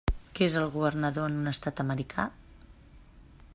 Què és el governador en un estat americà.